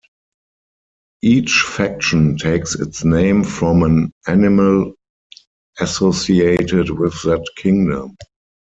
Each Faction takes its name from an animal associated with that kingdom.